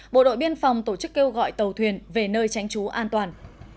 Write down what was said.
bộ đội biên phòng tổ chức kêu gọi tàu thuyền về nơi tránh trú an toàn